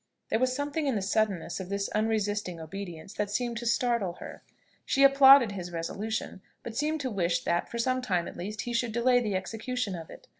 There was something in the suddenness of this unresisting obedience that seemed to startle her. She applauded his resolution, but seemed to wish that for some short time, at least, he should delay the execution of it.